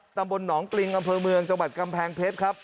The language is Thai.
ตำบลหนองปริงอำเภอเมืองจังหวัดกำแพงเพชรครับ